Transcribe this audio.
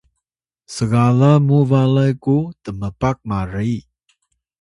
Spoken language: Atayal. sgalan muw balay ku tmpak mari